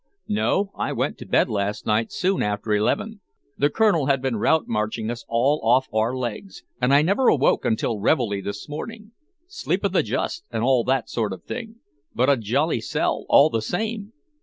No, I went to bed last night soon after eleven the Colonel had been route marching us all off our legs and I never awoke until reveille this morning. Sleep of the just, and all that sort of thing, but a jolly sell, all the same!